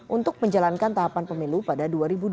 untuk menjalankan tahapan pemilu pada dua ribu dua puluh